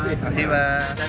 terima kasih pak